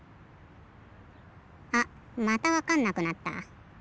あっまたわかんなくなった。